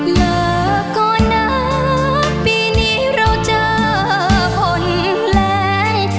แล้วก็นักปีนี้เราจะพลแรง